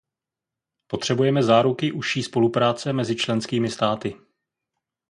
Potřebujeme záruky užší spolupráce mezi členskými státy.